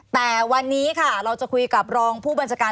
แต่วันนี้ค่ะเราจะคุยกับรองผู้บัญชาการ